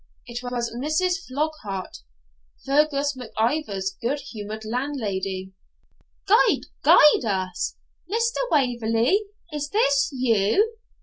It was Mrs. Flockhart, Fergus Mac Ivor's good humoured landlady. 'Gude guide us, Mr. Waverley, is this you?